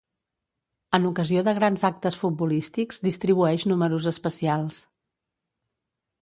En ocasió de grans actes futbolístics distribueix números especials.